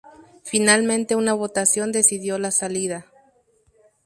Finalmente una votación decidió la salida.